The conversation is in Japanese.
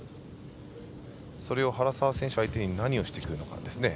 それを原沢選手相手に何をしてくるかですね。